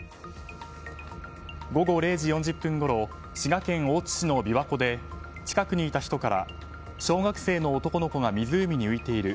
午後０時４０分ごろ滋賀県大津市の琵琶湖で近くにいた人から小学生の男の子が湖に浮いている。